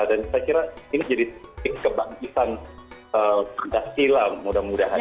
dan saya kira ini jadi titik kebangkitan pancasila mudah mudahan